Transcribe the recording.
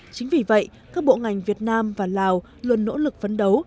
chính vì vậy các bộ ngành việt nam và lào luôn nỗ lực phấn đấu